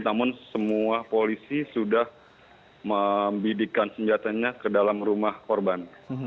namun semua polisi sudah membidikkan senjatanya ke dalam rumah korban